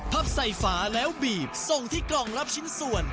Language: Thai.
ใส่ฝาแล้วบีบส่งที่กล่องรับชิ้นส่วน